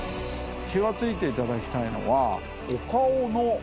気が付いていただきたいのは。